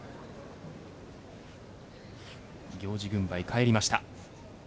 行司軍配、返りました。